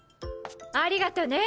ありがとね